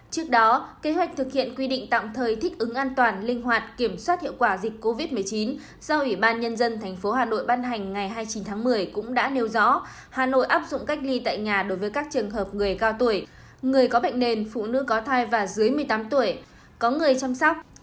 trước đó kế hoạch thực hiện quy định tạm thời thích ứng an toàn linh hoạt kiểm soát hiệu quả dịch covid một mươi chín do ủy ban nhân dân tp hà nội ban hành ngày hai mươi chín tháng một mươi cũng đã nêu rõ hà nội áp dụng cách ly tại nhà đối với các trường hợp người cao tuổi người có bệnh nền phụ nữ có thai và dưới một mươi tám tuổi có người chăm sóc